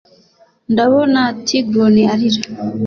ndabona tigron arira